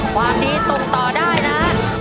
ความดีตกต่อได้นะ